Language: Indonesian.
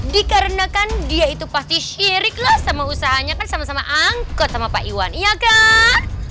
dikarenakan dia itu pasti syirik lah sama usahanya kan sama sama angkot sama pak iwan iya kan